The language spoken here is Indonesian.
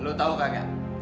lu tau gak